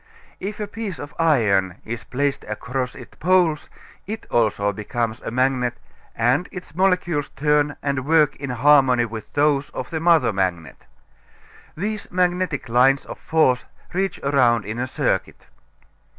If a piece of iron is placed across its poles it also becomes a magnet and its molecules turn and work in harmony with those of the mother magnet. These magnetic lines of force reach around in a circuit.